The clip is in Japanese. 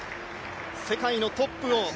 世界のトップ